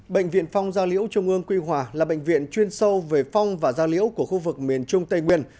bệnh viện phong gia liễu trung ương quy hòa là bệnh viện chuyên sâu về phong và gia liễu của khu vực miền trung tây nguyên